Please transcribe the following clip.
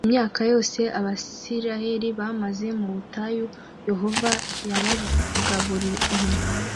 imyaka yose abisirayeli bamaze mu butayu yehova yabagaburiye